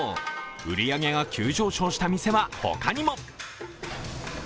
売り上げが急上昇した店は他にも。